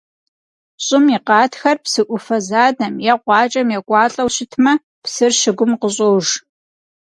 ЩӀым и къатхэр псы Ӏуфэ задэм е къуакӀэм екӀуалӀэу щытмэ, псыр щыгум къыщӀож.